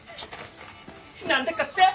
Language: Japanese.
何でかって？